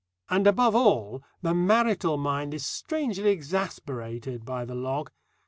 And, above all, the marital mind is strangely exasperated by the log.